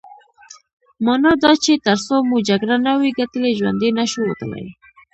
مانا دا چې ترڅو مو جګړه نه وي ګټلې ژوندي نه شو وتلای.